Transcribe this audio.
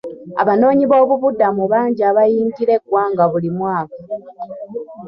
Abanoonyiboobubudamu bangi abayingira eggwanga buli mwaka.